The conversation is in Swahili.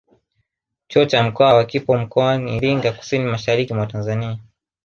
Chuo cha mkwawa kipo mkoa Iringa Kusini mashariki mwa Tanzania